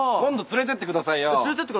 連れてってくださいよ。